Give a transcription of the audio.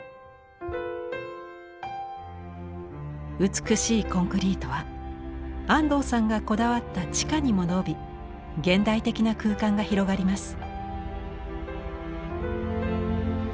美しいコンクリートは安藤さんがこだわった地下にも延び現代的な空間が広がります。